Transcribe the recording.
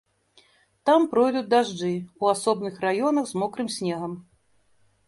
Там пройдуць дажджы, у асобным раёнах з мокрым снегам.